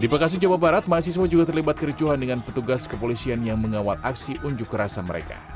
di bekasi jawa barat mahasiswa juga terlibat kericuhan dengan petugas kepolisian yang mengawal aksi unjuk rasa mereka